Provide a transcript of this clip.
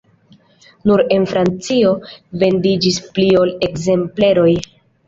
Nur en Francio vendiĝis pli ol ekzempleroj.